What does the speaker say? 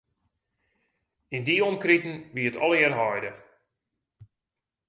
Yn dy omkriten wie it allegear heide.